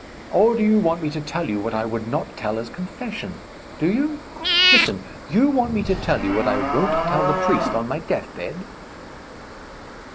Or do you want me to tell you what I would not tell as Confession? Do you? Listen; you want me to tell you what I won't tell the priest on my deathbed?"